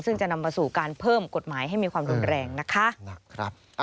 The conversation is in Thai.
ซึ่งจะนำมาสู่การเพิ่มกฎหมายให้มีความรุนแรงนะคะ